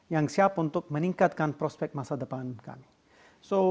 yang siap untuk meningkatkan prospek masa depan kami